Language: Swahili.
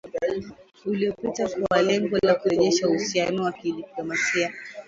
uliopita kwa lengo la kurejesha uhusiano wa kidiplomasia